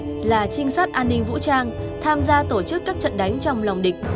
t ba mươi là trinh sát an ninh vũ trang tham gia tổ chức các trận đánh trong lòng địch